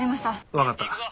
わかった。